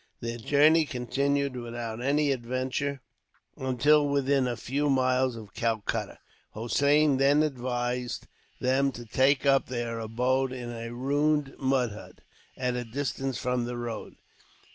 Their journey continued without any adventure, until within a few miles of Calcutta. Hossein then advised them to take up their abode in a ruined mud hut, at a distance from the road.